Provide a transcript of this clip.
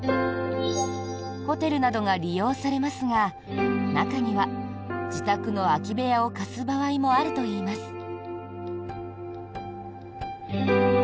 ホテルなどが利用されますが中には、自宅の空き部屋を貸す場合もあるといいます。